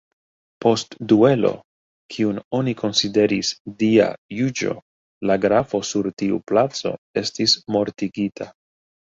Post duelo, kiun oni konsideris Dia juĝo, la grafo sur tiu placo estis mortigita.